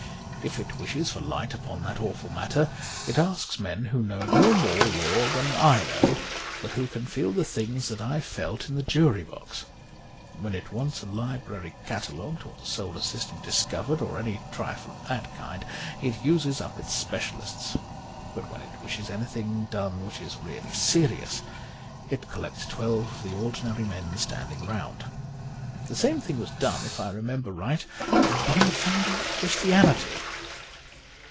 If it wishes for light upon that awful matter, it asks men who know no more law than I know, but who can feel the things that I felt in the jury box. When it wants a library catalogued, or the solar system discovered, or any trifle of that kind, it uses up its specialists. But when it wishes anything done which is really serious, it collects twelve of the ordinary men standing round. The same thing was done, if I remember right, by the Founder of Christianity.